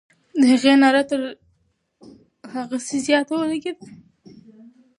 د هغې ناره تر غسي زیاته ولګېده.